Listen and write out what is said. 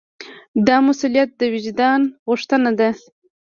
دا مسوولیت د وجدان غوښتنه ده.